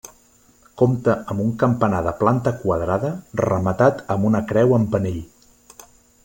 Compta amb un campanar de planta quadrada rematat amb una creu amb penell.